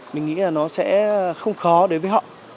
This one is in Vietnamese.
mình nghĩ là nó sẽ không khó đối với họ